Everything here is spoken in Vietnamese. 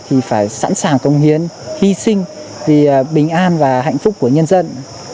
thì phải sẵn sàng công hiến hy sinh vì bình an và hạnh phúc của nhân dân